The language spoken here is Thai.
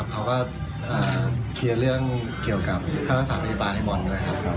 เขาก็เคลียร์เรื่องเกี่ยวกับค้ารักษณะสมนติริบาลให้บอนด์ด้วย